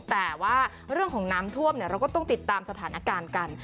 แต่ว่าเรื่องของน้ำท่วมเราก็ต้องติดตามสถานการณ์กัน